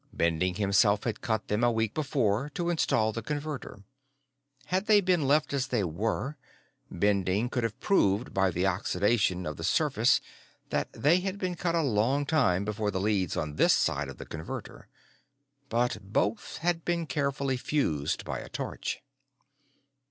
Bending himself had cut them a week before to install the Converter. Had they been left as they were, Bending could have proved by the oxidation of the surface that they had been cut a long time before the leads on this side of the Converter. But both had been carefully fused by a torch.